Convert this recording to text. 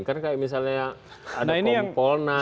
kan misalnya ada kompol nas